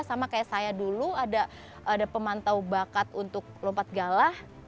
sama kayak saya dulu ada pemantau bakat untuk lompat galah